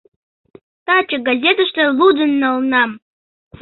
Таче газетыште лудын налынам.